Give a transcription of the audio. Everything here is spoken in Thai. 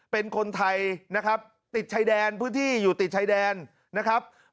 เป็นคนไทยนะครับปืนที่อยู่ติดชายแดนนะครับ